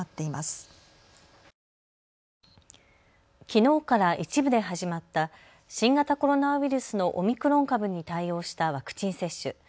きのうから一部で始まった新型コロナウイルスのオミクロン株に対応したワクチン接種。